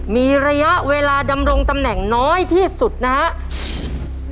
มีระยะเวลาดำรงตำแหน่งน้อยที่สุดนะครับ